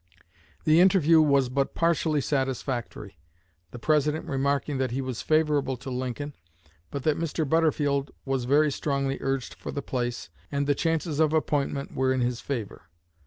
The interview was but partially satisfactory, the President remarking that he was favorable to Lincoln, but that Mr. Butterfield was very strongly urged for the place and the chances of appointment were in his favor.